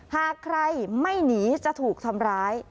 หากใครไม่หนีจะถูกทำร้าย